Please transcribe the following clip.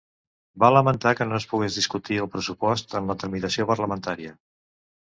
Va lamentar que no es pogués discutir el pressupost en la tramitació parlamentària.